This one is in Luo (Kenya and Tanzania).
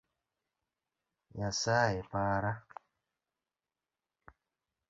Nyasaye para!